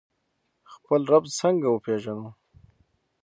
خپل رب څنګه وپیژنو؟